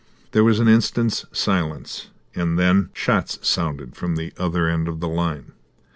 There was an instant's silence, and then crack, crack, shots sounded from the other end of the line.